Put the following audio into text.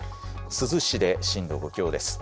珠洲市で震度５強です。